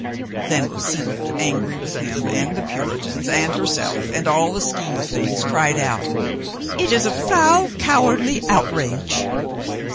Then Lucinda, angry with him and the Puritans and herself, and all the scheme of things, cried out: "It is a foul, cowardly outrage!"